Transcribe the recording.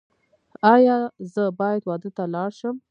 ایا زه باید واده ته لاړ شم؟